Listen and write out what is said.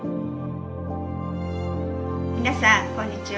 皆さんこんにちは。